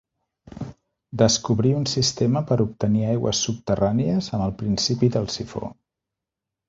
Descobrí un sistema per obtenir aigües subterrànies amb el principi del sifó.